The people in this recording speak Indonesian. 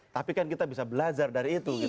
tapi kan kita bisa belajar dari itu